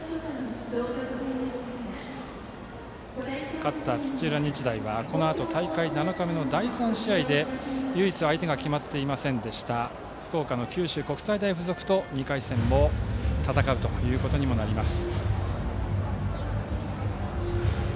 勝った土浦日大はこのあと大会７日目、第３試合で唯一相手が決まっていませんでした福岡の九州国際大付属と２回戦を戦うことになります。